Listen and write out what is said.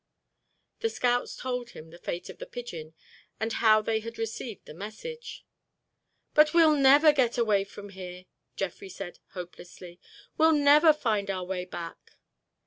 The scouts told him the fate of the pigeon and of how they had received the message. "But we'll never get away from here," Jeffrey said hopelessly. "We'll never find our way back."